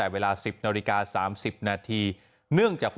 เวลาที่เราไปพูดคุยกับพี่น้องประชาชน